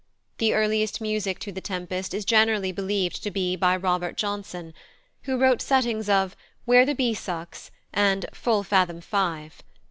The earliest music to The Tempest is generally believed to be by +Robert Johnson+, who wrote settings of "Where the bee sucks" and "Full fathom five."